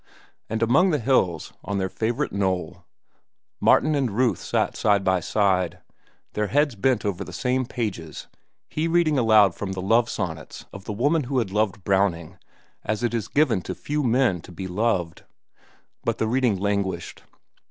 And among the hills, on their favorite knoll, Martin and Ruth sat side by side, their heads bent over the same pages, he reading aloud from the love sonnets of the woman who had loved Browning as it is given to few men to be loved. But the reading languished.